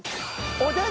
おでん！